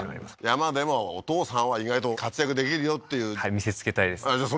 山でもお父さんは意外と活躍できるよっていうはい見せつけたいですじゃあ